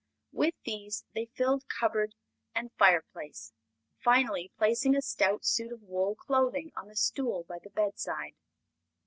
With these they filled cupboard and fireplace, finally placing a stout suit of wool clothing on the stool by the bedside.